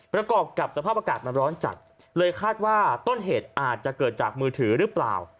ประกอบกับสภาพอากาศมันร้อนจัดเลยคาดว่าต้นเหตุอาจจะเกิดจากมือถือหรือเปล่า